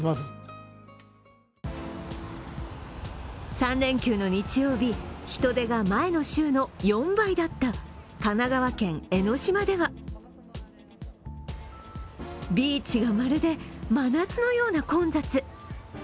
３連休の日曜日、人出が前の週の４倍だった神奈川県・江の島では、ビーチがまるで真夏のような混雑。